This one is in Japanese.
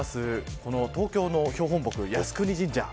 この東京の標本木靖国神社。